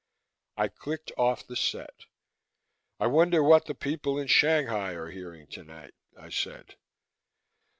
I clicked off the set. "I wonder what the people in Shanghai are hearing tonight," I said.